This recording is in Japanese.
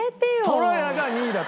とらやが２位だと。